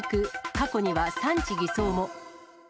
過去には産地偽装も。